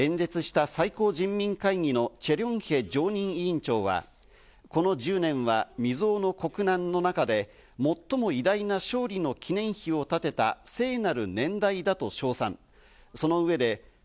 演説した最高人民会議のチェ・リョンヘ常任委員長はこの１０年は未曽有の国難の中で最も偉大な勝利の記念碑を建てた聖なる年代だと称賛。